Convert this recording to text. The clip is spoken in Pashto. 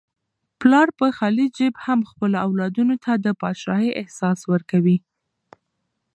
پلار په خالي جیب هم خپلو اولادونو ته د پاچاهۍ احساس ورکوي.